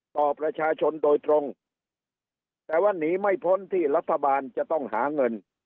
ต่อประชาชนโดยตรงแต่ว่าหนีไม่พ้นที่รัฐบาลจะต้องหาเงิน